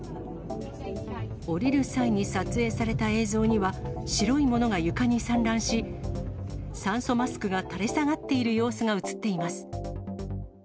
降りる際に撮影された映像には、白いものが床に散乱し、酸素マスクが垂れ下がっている様子が映っています。